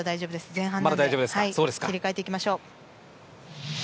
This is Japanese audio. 前半なので切り替えていきましょう。